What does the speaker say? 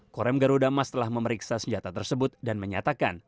korem garuda emas telah memeriksa senjata tersebut dan menyatakan